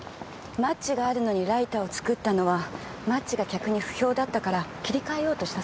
マッチがあるのにライターを作ったのはマッチが客に不評だったから切り替えようとしたそうです。